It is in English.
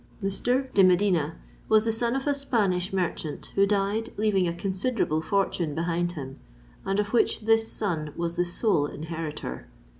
Mr. de Medina was the son of a Spanish merchant, who died, leaving a considerable fortune behind him, and of which this son was the sole inheritor.